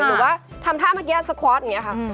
หรือว่าทำท่าเมื่อกี้สคอตอย่างนี้ค่ะ